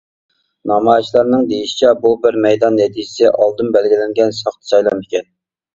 نامايىشچىلارنىڭ دېيىشىچە، بۇ بىر مەيدان نەتىجىسى ئالدىن بەلگىلەنگەن ساختا سايلام ئىكەن .